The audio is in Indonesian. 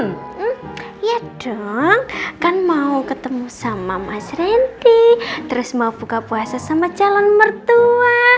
hmm ya dong kan mau ketemu sama mas ranki terus mau buka puasa sama calon mertua